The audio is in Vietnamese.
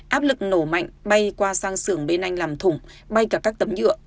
áp lực nổ mạnh bay qua sang xưởng bên anh làm